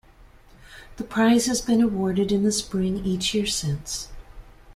The prize has been awarded in the spring each year since.